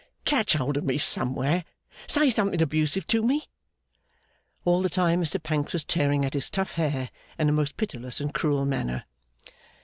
Catch hold of me somewhere. Say something abusive to me!' All the time, Mr Pancks was tearing at his tough hair in a most pitiless and cruel manner.